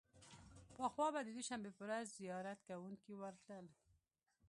پخوا به د دوشنبې په ورځ زیارت کوونکي ورتلل.